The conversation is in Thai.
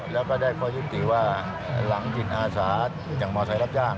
แล้วก็ได้ข้อยุติว่าหลังจิตอาสาอย่างมอเซลรับจ้าง